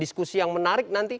diskusi yang menarik nanti